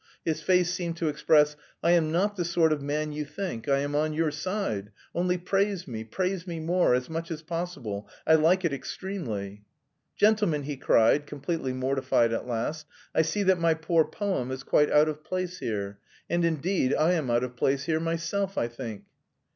His face seemed to express: "I am not the sort of man you think, I am on your side, only praise me, praise me more, as much as possible, I like it extremely...." "Gentlemen," he cried, completely mortified at last, "I see that my poor poem is quite out of place here. And, indeed, I am out of place here myself, I think."